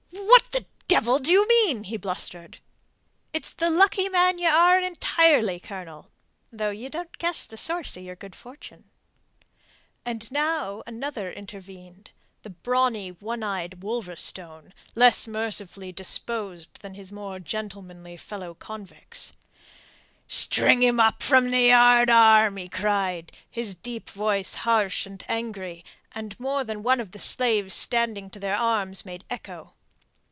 "What the devil do you mean?" he blustered. "It's the lucky man ye are entirely, Colonel, though ye don't guess the source of your good fortune." And now another intervened the brawny, one eyed Wolverstone, less mercifully disposed than his more gentlemanly fellow convict. "String him up from the yardarm," he cried, his deep voice harsh and angry, and more than one of the slaves standing to their arms made echo.